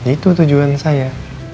itu tujuan saya